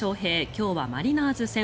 今日はマリナーズ戦。